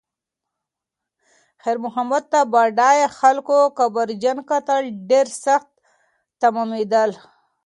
خیر محمد ته د بډایه خلکو کبرجن کتل ډېر سخت تمامېدل.